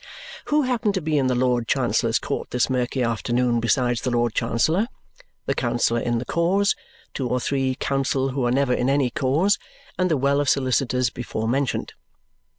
Who happen to be in the Lord Chancellor's court this murky afternoon besides the Lord Chancellor, the counsel in the cause, two or three counsel who are never in any cause, and the well of solicitors before mentioned?